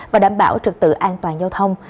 và đảm bảo trực tự an toàn giao thông